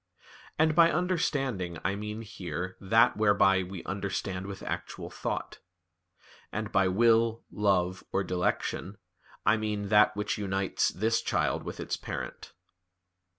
And by understanding I mean here that whereby we understand with actual thought; and by will, love, or dilection I mean that which unites this child with its parent."